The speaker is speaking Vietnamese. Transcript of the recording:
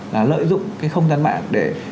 lợi dụng cái không gian mạng để